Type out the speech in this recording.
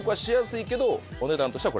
お値段としては。